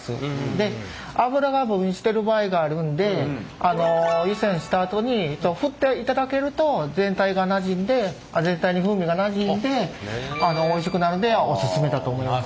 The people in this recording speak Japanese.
で脂が分離してる場合があるんで湯煎したあとに振っていただけると全体がなじんで全体に風味がなじんでおいしくなるんでおすすめだと思います。